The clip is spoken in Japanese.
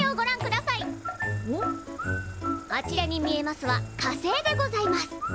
あちらに見えますは火星でございます。